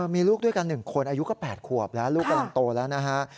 มีลูกด้วยกัน๑คนอายุก็๘ขวบแล้วลูกกำลังโตแล้วนะฮะ